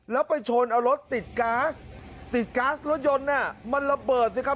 แล้วไปชนเอารถติดก๊าซติดก๊าซรถยนต์มันระเบิดสิครับ